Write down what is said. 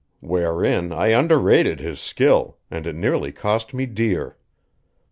Wherein I underrated his skill, and it nearly cost me dear.